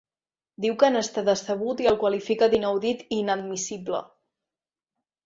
Diu que n’està decebut i el qualifica d’inaudit i inadmissible.